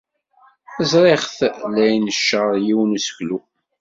Ẓriɣ-t la inecceṛ yiwen n useklu.